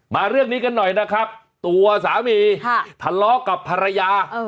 เรื่องนี้กันหน่อยนะครับตัวสามีทะเลาะกับภรรยา